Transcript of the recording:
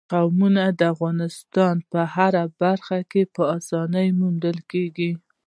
قومونه د افغانستان په هره برخه کې په اسانۍ موندل کېږي.